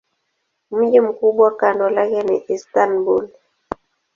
Mji mkubwa kando lake ni Istanbul.